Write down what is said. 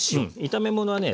炒め物はね